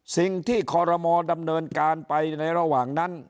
สิ่งที่ขอรมอดำเนินการไปในระหว่างนั้น